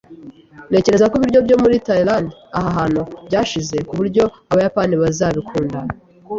Ntekereza ko ibiryo byo muri Tayilande aha hantu byashize kuburyo abayapani bazabikunda.